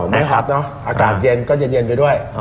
ไม่ครับเนอะอากาศเย็นก็เย็นไปด้วย